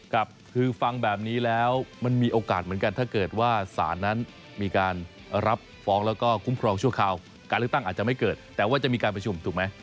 ครับคือฟังแบบนี้แล้วมันมีโอกาสเหมือนกันถ้าเกิดว่าศาลนั้นมีการรับฟ้องแล้วก็คุ้มครองชั่วคราวการเลือกตั้งอาจจะไม่เกิดแต่ว่าจะมีการประชุมถูกไหม